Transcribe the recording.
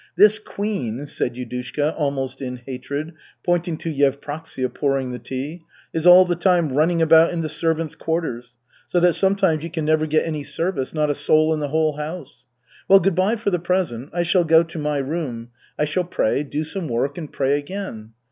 This queen," said Yudushka, almost in hatred, pointing to Yevpraksia pouring the tea, "is all the time running about in the servants' quarters, so that sometimes you can never get any service, not a soul in the whole house. Well, good by for the present. I shall go to my room. I shall pray, do some work and pray again.